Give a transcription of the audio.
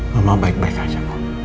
mama baik baik aja